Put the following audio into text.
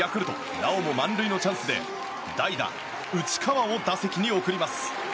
なおも満塁のチャンスで代打、内川を打席に送ります。